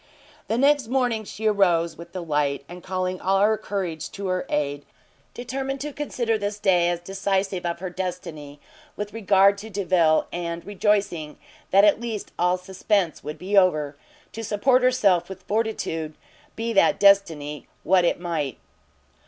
The next morning she arose with the light, and calling all her courage to her aid, determined to consider this day as decisive of her destiny with regard to Delvile, and, rejoicing that at least all suspense would be over, to support herself with fortitude, be that destiny what it might.